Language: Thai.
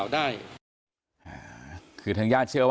อันนี้มันต้องมีเครื่องชีพในกรณีที่มันเกิดเหตุวิกฤตจริงเนี่ย